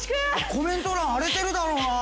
コメント欄荒れてるだろうな。